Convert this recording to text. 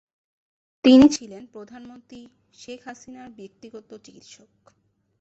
তিনি ছিলেন প্রধানমন্ত্রী শেখ হাসিনার ব্যক্তিগত চিকিৎসক।